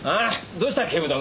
どうした警部殿。